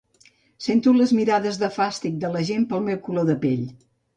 Sento les mirades de fàstic de la gent pel meu color de pell.